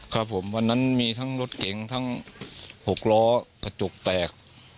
ครับผมวันนั้นมีทั้งรถเก๋งทั้ง๖ล้อกระจกแตก